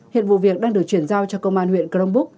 hiện vụ việc đang được chuyển giao cho công an huyện cronbrook